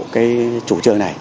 chủ trương này